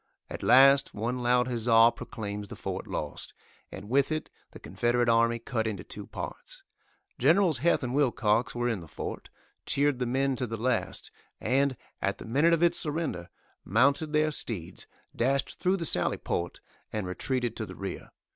At last one loud huzza proclaims the fort lost, and with it the Confederate army cut into two parts. Generals Heth and Wilcox were in the fort, cheered the men to the last, and, at the minute of its surrender, mounted their steeds, dashed through the sally port and retreated to the rear.